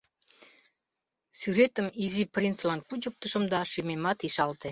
Сӱретым Изи принцлан кучыктышым да шӱмемат ишалте.